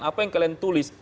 apa yang kalian tulis